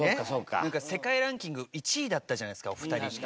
なんか世界ランキング１位だったじゃないですかお二人って。